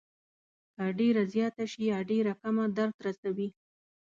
که ډېره زیاته شي یا ډېره کمه درد رسوي.